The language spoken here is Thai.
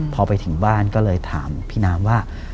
พอไปถึงบ้านก็เลยถามพี่น้ำว่า